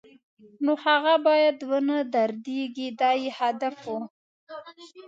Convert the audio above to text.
نو هغه باید و نه دردېږي دا یې هدف و.